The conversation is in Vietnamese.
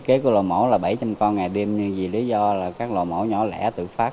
các lò mộ là bảy trăm linh con ngày đêm nhưng vì lý do là các lò mộ nhỏ lẻ tự phát